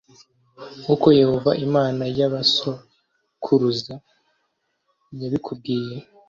nk uko Yehova Imana ya ba sokuruza yabikubwiye